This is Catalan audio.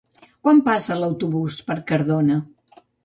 Quan passa l'autobús per Cardona?